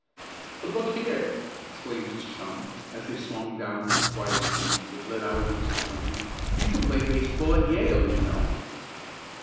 "But look here!" exclaimed his chum, as they swung down a quiet street that led out into the country; "you can play baseball at Yale, you know."